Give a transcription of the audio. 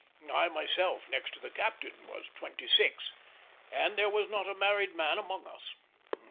I myself, next to the captain, was twenty six; and there was not a married man among us.